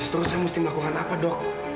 terus saya mesti melakukan apa dok